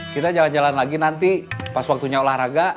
kita jalan jalan lagi nanti pas waktunya olahraga